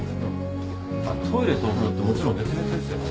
あっトイレとお風呂ってもちろん別々ですよね？